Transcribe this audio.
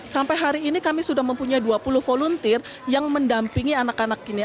sampai hari ini kami sudah mempunyai dua puluh volunteer yang mendampingi anak anak ini